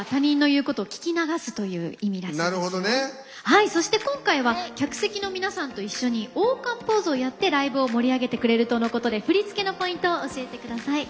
ちなみにそして今回は客席の皆さんと一緒に王冠ポーズをやってライブを盛り上げてくれるとのことで、振り付けのポイントを教えてください。